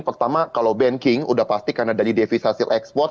pertama kalau banking udah pasti karena dari devis hasil export